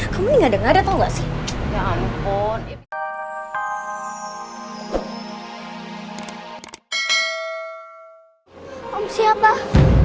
kamu ini ngada ngada tau gak sih